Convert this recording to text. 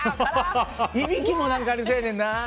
いびきもありそうやねんな。